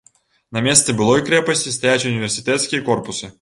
На месцы былой крэпасці стаяць універсітэцкія корпусы.